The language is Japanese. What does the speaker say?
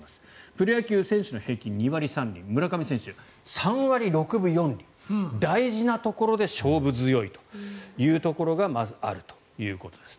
プロ野球選手の平均２割３厘村上選手の打率３割６分４厘大事なところで勝負強いというところがまず、あるということです。